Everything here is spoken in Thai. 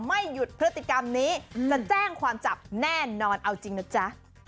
ไม่หยุดพฤติกรรมนี้จะแจ้งความจับแน่นอนเอาจริงนะจ๊ะ